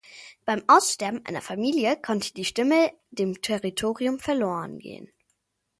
Beim Aussterben einer Familie konnte die Stimme dem Territorium verloren gehen.